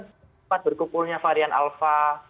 cepat berkumpulnya varian alfa